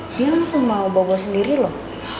kamu masih mau bawa bawa sendiri loh